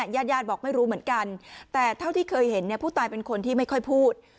ญาติญาติบอกไม่รู้เหมือนกันแต่เท่าที่เคยเห็นผู้ตายเป็นคนที่ไม่ค่อยพูด